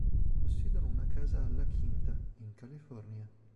Possiedono una casa a La Quinta, in California.